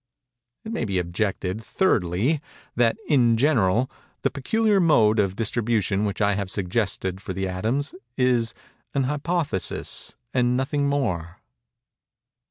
It may be objected, thirdly, that, in general, the peculiar mode of distribution which I have suggested for the atoms, is "an hypothesis and nothing more."